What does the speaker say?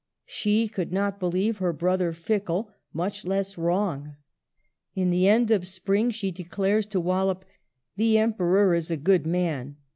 She could not believe her brother fickle, much less wrong. In the end of spring she declares to Wallup, *' The Emperor is a good man."